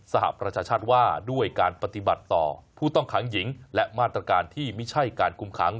หประชาชาติว่าด้วยการปฏิบัติต่อผู้ต้องขังหญิงและมาตรการที่ไม่ใช่การคุมขัง